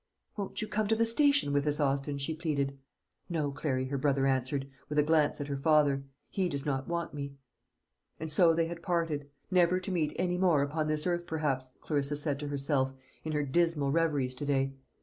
"Won't you come to the station with us, Austin?" she pleaded. "No, Clary," her brother answered, with a glance at her father. "He does not want me." And so they had parted; never to meet any more upon this earth perhaps, Clarissa said to herself, in her dismal reveries to day.